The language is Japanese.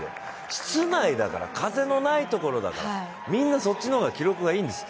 室内だから、風のないところだからみんなそっちの方が記録がいいんです。